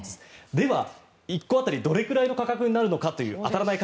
では、１個当たりどれぐらいの価格になるのかというあたらない